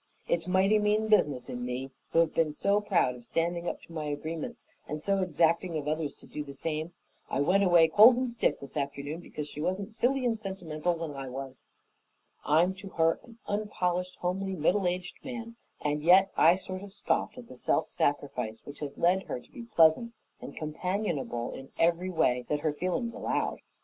It's mighty mean business in me, who have been so proud of standing up to my agreements and so exacting of others to do the same. I went away cold and stiff this afternoon because she wasn't silly and sentimental when I was. I'm to her an unpolished, homely, middle aged man, and yet I sort of scoffed at the self sacrifice which has led her to be pleasant and companionable in every way that her feelings allowed.